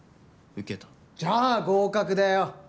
じゃあ合格だよ。